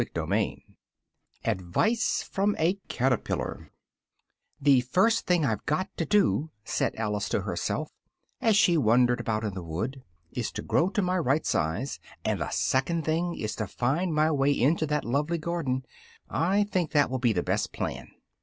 Chapter III "The first thing I've got to do," said Alice to herself, as she wandered about in the wood, "is to grow to my right size, and the second thing is to find my way into that lovely garden. I think that will be the best plan."